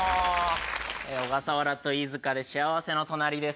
小笠原と飯塚で、幸せのトナリです。